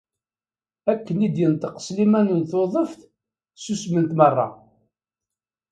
Akken i d-yenṭeq Sliman n Tuḍeft, ssusment merra.